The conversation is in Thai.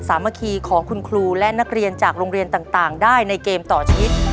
สามัคคีของคุณครูและนักเรียนจากโรงเรียนต่างได้ในเกมต่อชีวิต